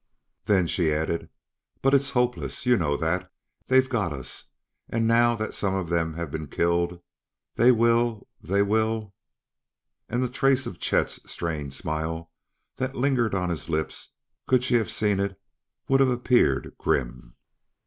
Then she added: "But it's hopeless; you know that. They've got us. And now that some of them have been killed they will they will " And the trace of Chet's strained smile that lingered on his lips, could she have seen it, would have appeared grim.